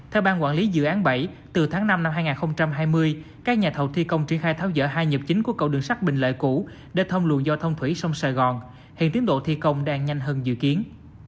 theo bang quản lý dự án bảy từ tháng năm năm hai nghìn hai mươi các nhà thầu thi công triển khai tháo dở hai nhập chính của cầu đường sát bình lợi cũ để thông lưu do thông thủy sông sài gòn hiện tiến độ thi công đang nhanh hơn dự kiến